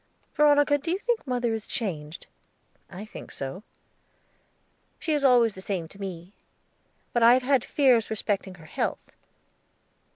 "Veronica, do you think mother is changed? I think so." "She is always the same to me. But I have had fears respecting her health."